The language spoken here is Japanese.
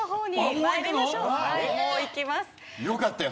よかったよ。